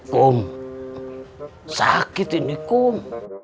kum sakit ini kum